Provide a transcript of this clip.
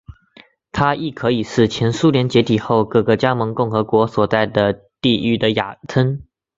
它亦可以是前苏联解体后各个加盟共和国所在的地域的雅称。